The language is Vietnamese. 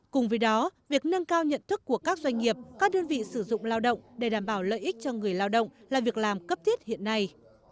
cùng với đó việc nâng cao nhận thức của các doanh nghiệp các đơn vị sử dụng lao động để đảm bảo lợi ích cho người lao động là việc làm cấp thiết hiện nay